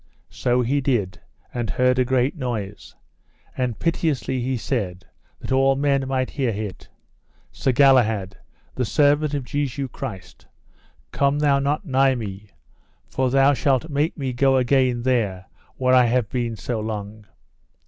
So he did, and heard a great noise; and piteously he said, that all men might hear it: Sir Galahad, the servant of Jesu Christ, come thou not nigh me, for thou shalt make me go again there where I have been so long.